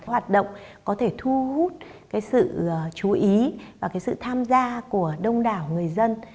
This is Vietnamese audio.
hoạt động có thể thu hút sự chú ý và sự tham gia của đông đảo người dân